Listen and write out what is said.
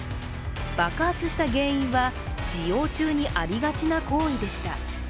爆発した原因は、使用中にありがちな行為でした。